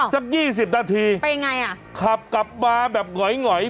สักยี่สิบนาทีไปยังไงอ่ะขับกลับมาแบบหงอยหอย